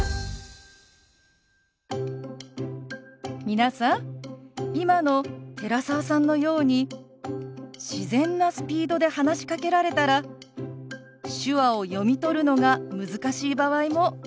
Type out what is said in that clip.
皆さん今の寺澤さんのように自然なスピードで話しかけられたら手話を読み取るのが難しい場合もありますよね。